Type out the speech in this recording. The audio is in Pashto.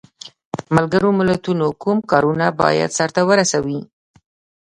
ملګرو ملتونو کوم کارونه باید سرته ورسوي؟